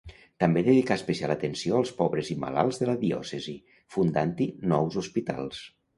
També dedicà especial atenció als pobres i malalts de la diòcesi, fundant-hi nous hospitals.